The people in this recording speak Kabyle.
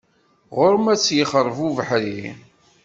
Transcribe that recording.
Ɣur-m ad t-yexreb ubeḥri.